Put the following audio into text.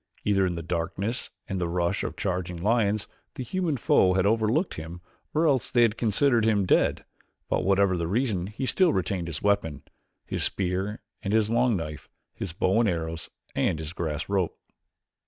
Either in the darkness and the rush of the charging lions the human foe had overlooked him or else they had considered him dead; but whatever the reason he still retained his weapons his spear and his long knife, his bow and arrows, and his grass rope.